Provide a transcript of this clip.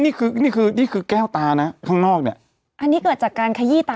นี่คือนี่คือแก้วตานะข้างนอกเนี่ยอันนี้เกิดจากการขยี้ตา